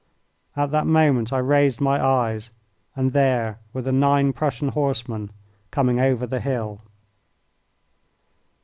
At that moment I raised my eyes, and there were the nine Prussian horsemen coming over the hill.